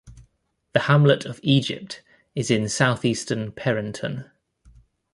The hamlet of Egypt is in southeastern Perinton.